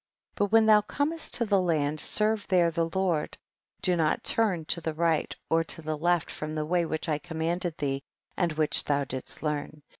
27. But when thou comest to the land serve there the Lord, do not turn to the right or to the left from the way which I commanded thee and which thou didst learn.